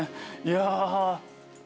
いやぁ。